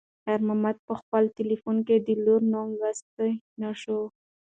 خیر محمد په خپل تلیفون کې د لور نوم لوستی نه شو.